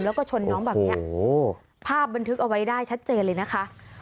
แล้วก็ชนน้องแบบนี้ภาพบันทึกเอาไว้ได้ชัดเจนเลยนะคะ